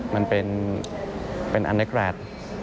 มันเป็นอันเนกรัฐ